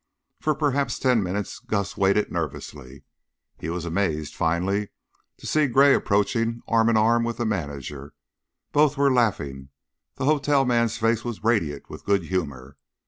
For perhaps ten minutes Gus waited nervously; he was amazed finally to see Gray approaching arm in arm with the manager; both were laughing, the hotel man's face was radiant with good humor.